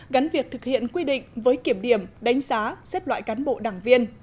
gắn việc thực hiện quy định với kiểm điểm đánh giá xếp loại cán bộ đảng viên